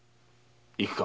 行くか？